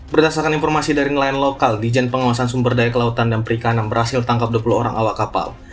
berdasarkan informasi dari nelayan lokal dijen pengawasan sumber daya kelautan dan perikanan berhasil tangkap dua puluh orang awak kapal